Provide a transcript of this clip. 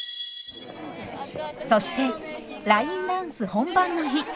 そしてラインダンス本番の日。